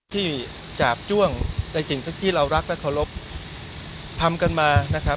ที่จาบจ้วงในสิ่งที่เรารักและเคารพทำกันมานะครับ